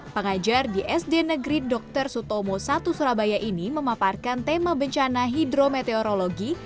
pengajar di sd negeri dr sutomo satu surabaya ini memaparkan tema bencana hidrometeorologi